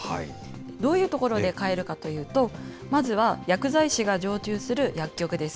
どういうところで買えるかというと、まずは、薬剤師が常駐する薬局です。